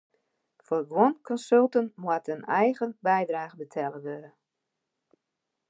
Foar guon konsulten moat in eigen bydrage betelle wurde.